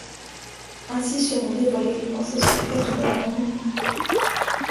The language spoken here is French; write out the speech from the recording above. Ainsi seront dévoilées les pensées secrètes d'un grand nombre.